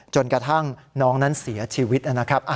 จนกระทั่งน้องนั้นเสียชีวิตนะครับ